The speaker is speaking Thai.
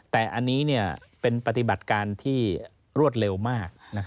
แต่อันนี้เป็นปฏิบัติการที่รวดเร็วมาก